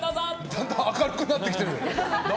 だんだん明るくなってきてる。